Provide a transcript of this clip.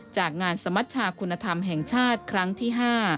จากงานสมัชชาคุณธรรมแห่งชาติครั้งที่๕